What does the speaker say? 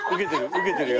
ウケてるよ。